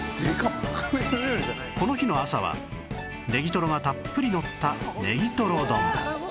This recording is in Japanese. この日の朝はネギトロがたっぷりのったネギトロ丼